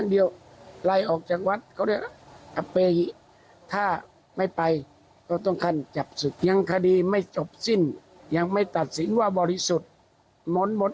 นี่แหละในทัศนะของพระพยอมแล้วก็พระพยอมท่านก็บอกว่า